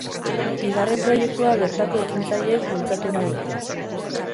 Bigarren proiektua bertako ekintzaileek bultzatu nahi dute.